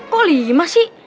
kok lima sih